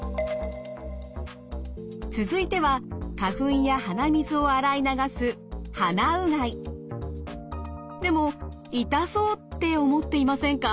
続いては花粉や鼻水を洗い流すでも痛そうって思っていませんか？